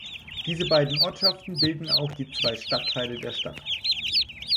Diese beiden Ortschaften bilden auch die zwei Stadtteile der Stadt.